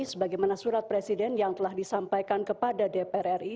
sebagaimana surat presiden yang telah disampaikan kepada dpr ri